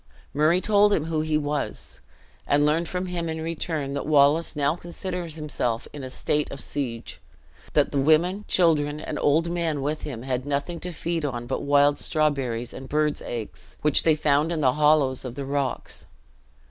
Murray told him who he was; and learned from him in return, that Wallace now considered himself in a state of siege; that the women, children, and old men with him, had nothing to feed on but wild strawberries and birds' eggs, which they found in the hollows of the rocks.